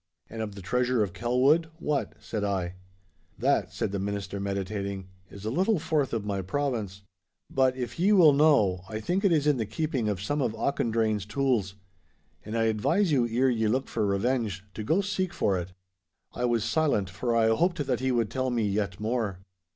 'And of the treasure of Kelwood, what?' said I. 'That,' said the minister, meditating, 'is a little forth of my province. But, if ye will know, I think it is in the keeping of some of Auchendrayne's tools. And I advise you, ere ye look for revenge, to go seek for it.' I was silent, for I hoped that he would tell me yet more.